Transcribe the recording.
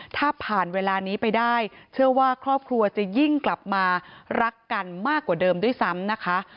ถ้าผ่านเวลานี้ไปได้เชื่อว่าครอบครัวจะยิ่งกลับมารักกันมากกว่าเดิมด้วยซ้ำนะคะ